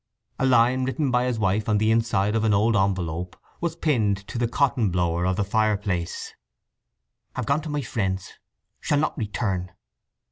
A line written by his wife on the inside of an old envelope was pinned to the cotton blower of the fireplace: "_Have gone to my friends. Shall not return.